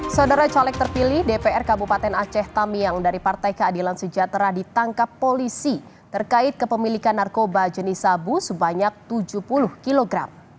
saudara caleg terpilih dpr kabupaten aceh tamiang dari partai keadilan sejahtera ditangkap polisi terkait kepemilikan narkoba jenis sabu sebanyak tujuh puluh kg